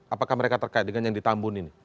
apakah mereka terkait dengan yang ditambun ini